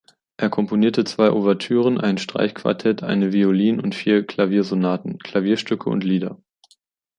Er komponierte zwei Ouvertüren, ein Streichquartett, eine Violin- und vier Klaviersonaten, Klavierstücke und Lieder.